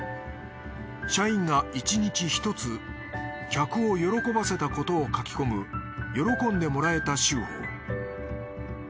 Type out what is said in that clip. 社員が１日１つ客を喜ばせたことを書き込む「喜んでもらえた週報」。